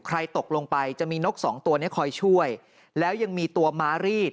ใครตกลงไปจะมีนกสองตัวเนี้ยคอยช่วยแล้วยังมีตัวม้ารีด